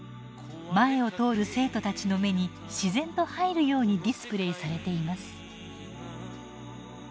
前を通る生徒たちの目に自然と入るようにディスプレーされています。